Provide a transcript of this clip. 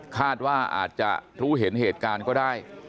คาดว่าอาจจะรู้เห็นเหตุการณ์ก็ได้